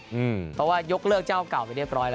เพราะว่ายกเลิกเจ้าเก่าไปเรียบร้อยแล้ว